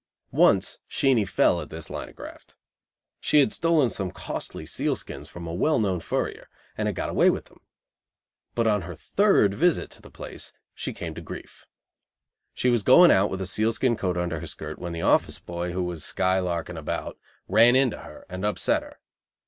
Once Sheenie "fell" at this line of graft. She had stolen some costly sealskins from a well known furrier, and had got away with them. But on her third visit to the place she came to grief. She was going out with a sealskin coat under her skirt when the office boy, who was skylarking about, ran into her, and upset her.